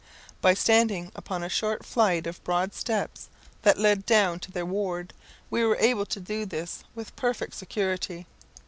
By standing upon a short flight of broad steps that led down to their ward, we were able to do this with perfect security.